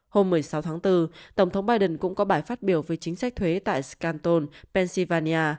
hôm một mươi sáu tháng bốn tổng thống biden cũng có bài phát biểu về chính sách thuế tại scanton pennsylvania